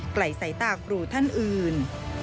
ไกลใส่ตากรูท่านอื่น